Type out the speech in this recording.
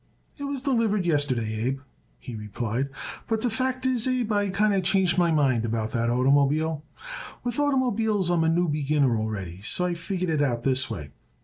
"It was delivered yesterday, Abe," he replied. "But the fact is, Abe, I kinder changed my mind about that oitermobile. With oitermobiles I am a new beginner already, so I figure it out this way.